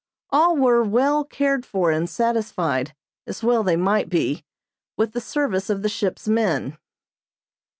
All were well cared for and satisfied, as well they might be, with the service of the ship's men.